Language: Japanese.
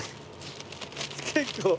結構。